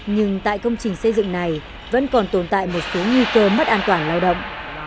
nhưng tại công trình xây dựng này vẫn còn tồn tại một số nguy cơ mất an toàn lao động